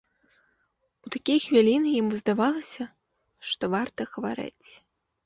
У такія хвіліны яму здавалася, што варта хварэць.